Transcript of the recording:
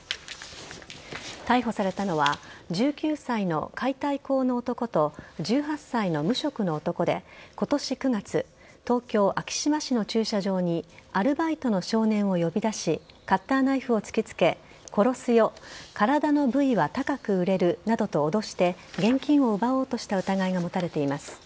逮捕されたのは１９歳の解体工の男と１８歳の無職の男で、今年９月東京・昭島市の駐車場にアルバイトの少年を呼び出しカッターナイフを突きつけ殺すよ体の部位は高く売れるなどと脅して現金を奪おうとした疑いが持たれています。